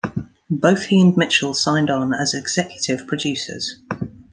Both he and Mitchell signed on as executive producers.